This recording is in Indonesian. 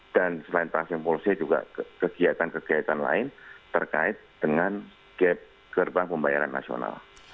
dan selain pricing policy juga kegiatan kegiatan lain terkait dengan gap gerbang pembayaran nasional